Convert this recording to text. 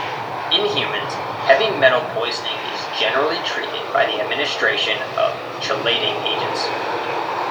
In humans, heavy metal poisoning is generally treated by the administration of chelating agents.